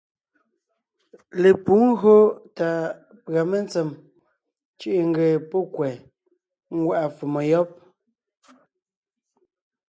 Lepǔ ńgÿo tà pʉ̀a mentsèm cʉ̀ʼʉ ńgee pɔ́ kwɛ̀ ńgwá’a fòmo yɔ́b.